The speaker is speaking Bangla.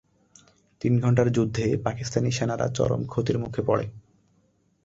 তিন ঘণ্টার যুদ্ধে পাকিস্তানি সেনারা চরম ক্ষতির মুখে পড়ে।